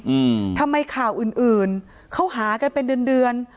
อืมทำไมข่าวอื่นอื่นเขาหากันเป็นเดือนเดือน